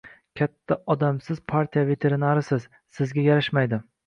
katta odamsiz, partiya veteranisiz. Sizga yarashmaydi.